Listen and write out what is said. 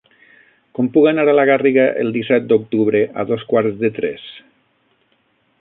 Com puc anar a la Garriga el disset d'octubre a dos quarts de tres?